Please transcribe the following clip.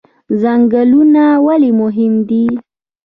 ځنګلونه ولې مهم دي؟